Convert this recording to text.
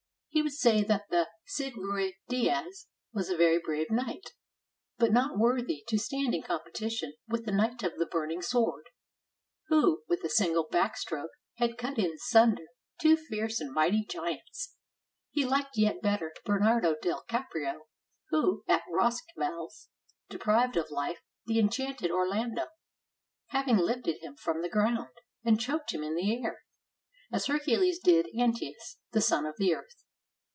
He would say that the Cid Ruy Diaz was a very brave knight, but not worthy to stand in competition with the Knight of the Burning Sword, who, with a single back stroke had cut in sun der two fierce and mighty giants. He liked yet better Bernardo del Carpio, who, at Roncesvalles, deprived of Hfe the enchanted Orlando, having lifted him from the ground, and choked him in the air, as Hercules did Antasus, the son of the Earth.